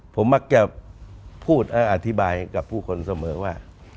ผมมักจะพูดและอธิบายกับผู้คนเสมอว่า